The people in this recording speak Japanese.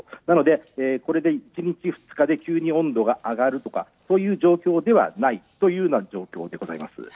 なので一日二日で急に温度が上がるとかそういう状況ではないという状況。